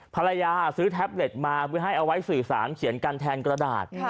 ซื้อแท็บเล็ตมาเพื่อให้เอาไว้สื่อสารเขียนกันแทนกระดาษ